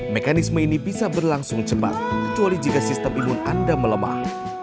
mekanisme ini bisa berlangsung cepat kecuali jika sistem imun anda melemah